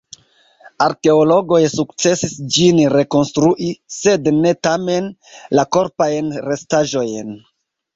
Arkeologoj sukcesis ĝin rekonstrui, sed ne, tamen, la korpajn restaĵojn.